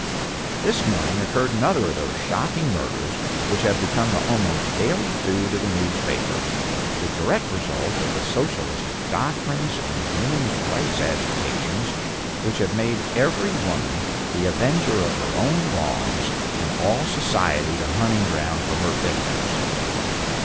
This morning occurred another of those shocking murders which have become the almost daily food of the newspapers, the direct result of the socialistic doctrines and woman's rights agitations, which have made every woman the avenger of her own wrongs, and all society the hunting ground for her victims.